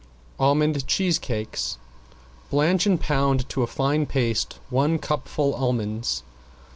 ~ALMOND CHEESE CAKES~ Blanch and pound to a fine paste one cupful almonds.